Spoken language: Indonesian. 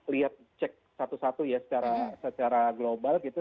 lihat cek satu satu ya secara global gitu